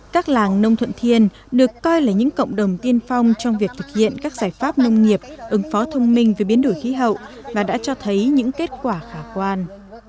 các làng nông thuận thiên được coi là những cộng đồng tiên phong trong việc thực hiện các giải pháp nông nghiệp ứng phó thông minh với biến đổi khí hậu và đã cho thấy những kết quả khả quan